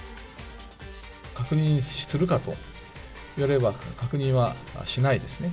確認するかといわれれば、確認はしないですね。